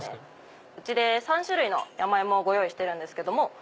うちで３種類の山芋をご用意してるんですけども。